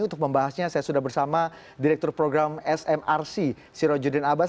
untuk membahasnya saya sudah bersama direktur program smrc sirojudin abbas